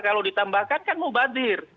kalau ditambahkan kan mubadir